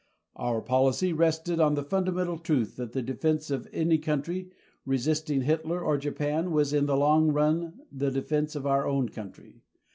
Our policy rested on the fundamental truth that the defense of any country resisting Hitler or Japan was in the long run the defense of our own country.